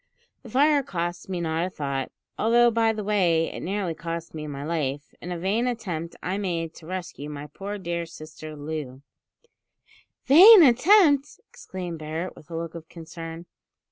The fire costs me not a thought, although, by the way, it nearly cost me my life, in a vain attempt I made to rescue my poor dear sister Loo " "Vain attempt!" exclaimed Barret, with a look of concern.